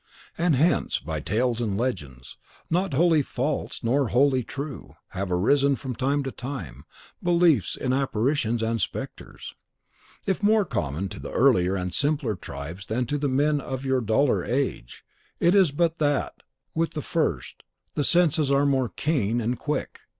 And hence, by tales and legends, not wholly false nor wholly true, have arisen from time to time, beliefs in apparitions and spectres. If more common to the earlier and simpler tribes than to the men of your duller age, it is but that, with the first, the senses are more keen and quick.